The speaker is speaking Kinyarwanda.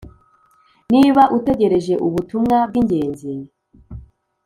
Niba utegereje ubutumwa bw ingenzi